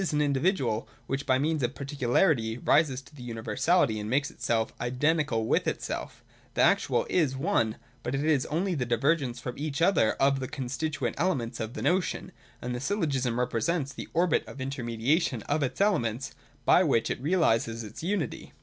315 an individual, which by means of particularity rises to universality and makes itself identical with itself — The actual is one : but it is also the divergence from each other of the constituent elements of the notion ; and the Syllogism represents the orbit of intermediation of its elements, by which it realises its unity.